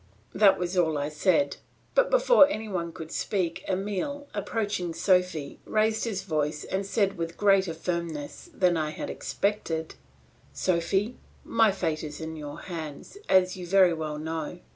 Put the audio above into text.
That was all I said. But before any one could speak Emile, approaching Sophy, raised his voice and said with greater firmness than I expected, "Sophy, my fate is in your hands, as you very well know.